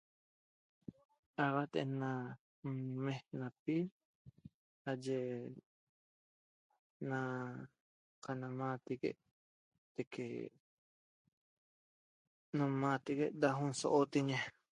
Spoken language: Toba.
Axat ena nmexnecpi aye ena canamategue teque nmategue da nsohotoñe